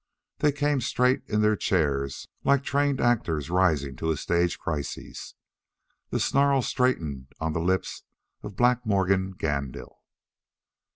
They came up straight in their chairs like trained actors rising to a stage crisis. The snarl straightened on the lips of Black Morgan Gandil.